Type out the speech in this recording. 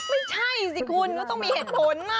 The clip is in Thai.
ไม่ใช่สิคุณก็ต้องมีเหตุผล